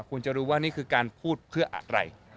คุณจะรู้ว่านี่คือการพูดเพื่ออะไร